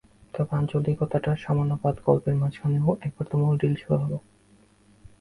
তবে আঞ্চলিকতাটা সামান্য বাদ গল্পের মাঝখানেও একবার তুমুল ঢিল ছোঁড়া হল।